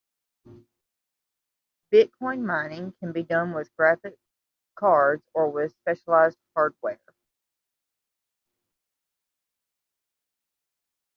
Bitcoin mining can be done with graphic cards or with specialized hardware.